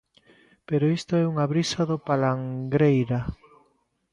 Pero isto é unha brisa do palangreira.